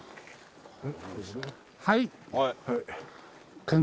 はい。